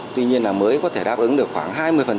tuy nhiên là mới có thể đáp ứng được khoảng hai mươi